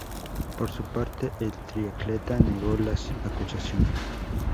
Por su parte, el triatleta negó las acusaciones.